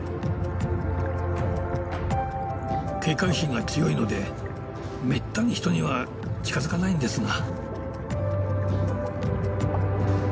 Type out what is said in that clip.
警戒心が強いのでめったに人には近づかないんですが。